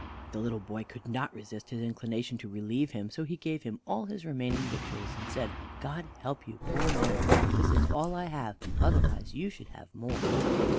The little boy could not resist his inclination to relieve him, so he gave him all his remaining victuals, and said: "God help you, poor man! This is all I have, otherwise you should have more."